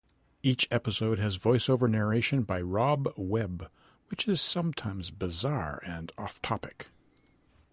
Each episode has voice-over narration by Robb Webb, which is sometimes bizarre and off-topic.